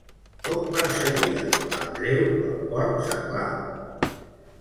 Com perseguia l'Andreu el porc senglar?